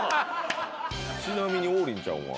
ちなみに王林ちゃんは？